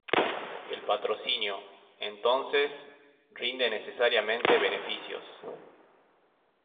El patrocinio, entonces, rinde necesariamente beneficios.